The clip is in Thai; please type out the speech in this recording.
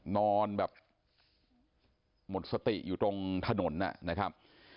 นอนแบบหมดสติอยู่ตรงถนนนะครับ